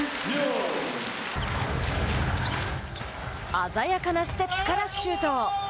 鮮やかなステップからシュート。